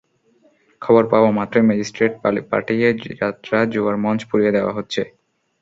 খবর পাওয়া মাত্রই ম্যাজিস্ট্রেট পাঠিয়ে যাত্রা জুয়ার মঞ্চ পুড়িয়ে দেওয়া হচ্ছে।